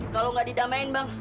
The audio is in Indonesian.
kalau gak didamain bang